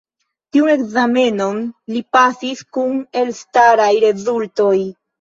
Tiun ekzamenon li pasis kun elstaraj rezultoj.